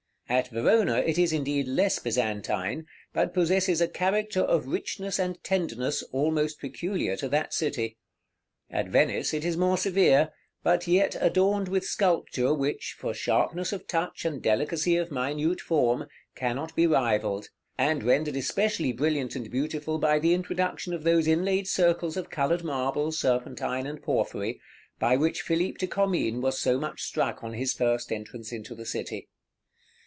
At Verona it is, indeed, less Byzantine, but possesses a character of richness and tenderness almost peculiar to that city. At Venice it is more severe, but yet adorned with sculpture which, for sharpness of touch and delicacy of minute form, cannot be rivalled, and rendered especially brilliant and beautiful by the introduction of those inlaid circles of colored marble, serpentine, and porphyry, by which Phillippe de Commynes was so much struck on his first entrance into the city.